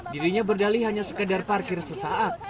dirinya berdali hanya sekedar parkir sesaat